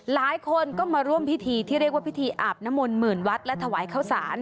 หลายคนก็มาร่วมพิธีที่เรียกว่าพิธีอาบน้ำมนต์หมื่นวัดและถวายข้าวสาร